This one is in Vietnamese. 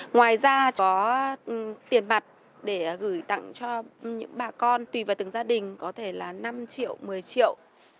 ngoài ra có tiền mặt để gửi tặng cho những bà con tùy vào từng gia đình có thể là năm triệu một mươi triệu